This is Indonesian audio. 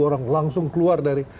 orang langsung keluar dari